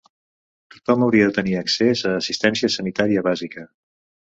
Tothom hauria de tenir accés a assistència sanitària bàsica.